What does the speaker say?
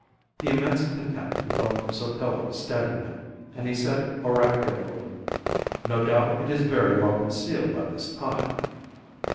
The immense contempt he felt for Sotillo steadied him, and he said oracularly, "No doubt it is well concealed by this time."